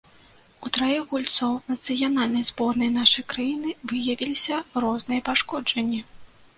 У траіх гульцоў нацыянальнай зборнай нашай краіны выявіліся розныя пашкоджанні.